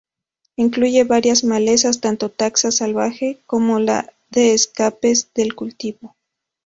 Incluye varias malezas, tanto taxa salvajes como de escapes del cultivo.